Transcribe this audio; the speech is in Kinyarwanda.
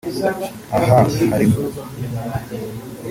Aha harimo